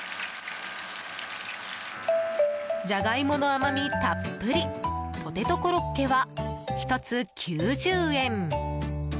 ジャガイモの甘みたっぷりポテトコロッケは１つ９０円。